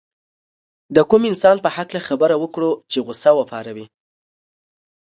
د کوم انسان په هکله خبره وکړو چې غوسه وپاروي.